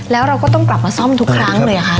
แล้วเราก็ต้องกลับมาซ่อมทุกครั้งเลยค่ะ